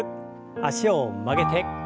脚を曲げて。